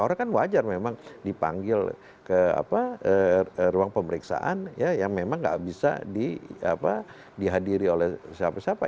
orang kan wajar memang dipanggil ke ruang pemeriksaan yang memang nggak bisa dihadiri oleh siapa siapa